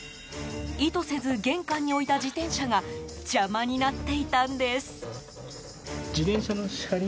意図せず玄関に置いた自転車が邪魔になっていたんです。